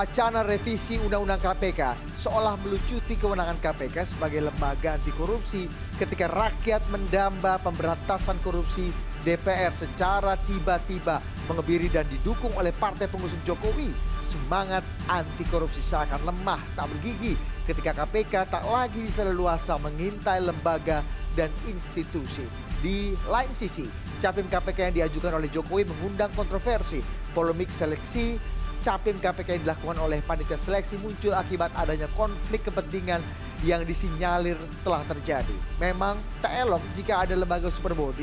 cnn indonesia breaking news